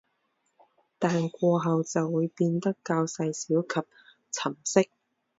但过后就会变得较细小及沉色。